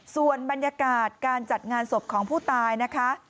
ส่วนบรรยากาศการจัดงานศพของผู้ตายนะคะ